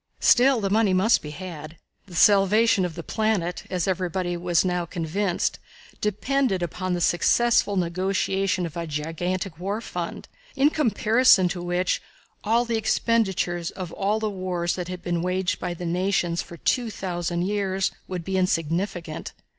Still, the money must be had. The salvation of the planet, as everybody was now convinced, depended upon the successful negotiation of a gigantic war fund, in comparison with which all the expenditures in all of the wars that had been waged by the nations for 2,000 years would be insignificant.